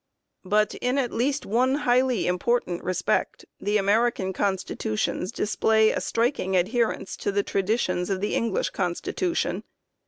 But, in at least one highly important respect the American Constitutions display a striking adherence to the traditions of the English Constitution.